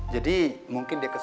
jadi mungkin dia kesel